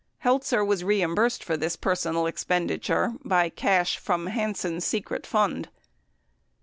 Heltzer was reimbursed for this personal expenditure by cash from Hansen's secret fund.